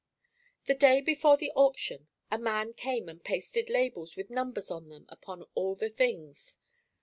The day before the auction, a man came and pasted labels with numbers on them upon all the things.